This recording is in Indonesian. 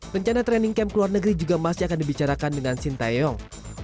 rencana training camp luar negeri juga masih akan dibicarakan dengan sintayong